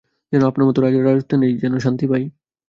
যেন আপনার মতো রাজার রাজত্বে যাই, যেন শান্তি পাই।